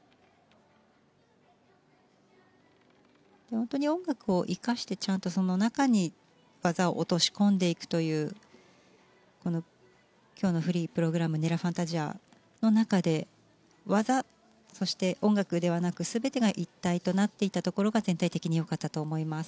本当に音楽を生かしてちゃんとその中に技を落とし込んでいくという今日のフリープログラム「ＮｅｌｌａＦａｎｔａｓｉａ」の中で技、そして音楽ではなく全てが一体となっていたところが全体的によかったと思います。